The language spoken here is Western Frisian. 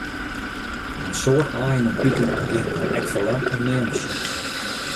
In soad aaien en piken geane dan ek ferlern oan meanmasines.